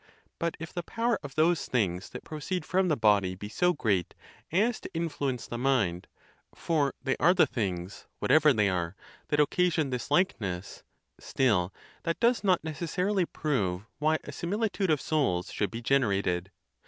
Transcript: But if the power of those things that proceed from the body be so great as to influence the mind (for they are the things, whatever they are, that oc casion this likeness), still that does not necessarily prove why a similitude of souls should be generated.